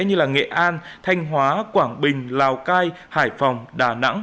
như nghệ an thanh hóa quảng bình lào cai hải phòng đà nẵng